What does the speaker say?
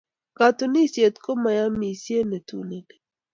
Katunisyet ko kayamiset ne tuneni.